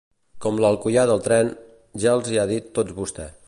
Com l'alcoià del tren: ja els ha dit tots vostè.